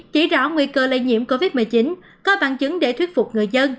chỉ rõ nguy cơ lây nhiễm covid một mươi chín có bằng chứng để thuyết phục người dân